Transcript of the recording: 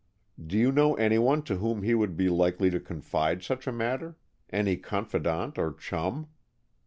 Do you know anyone to whom he would be likely to confide such a matter, any confidant or chum?"